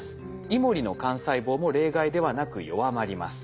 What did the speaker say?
イモリの幹細胞も例外ではなく弱まります。